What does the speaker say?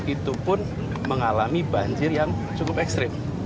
itu pun mengalami banjir yang cukup ekstrim